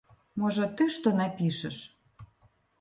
Можа, ты што напішаш?